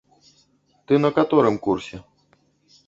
Ты на каторым курсе?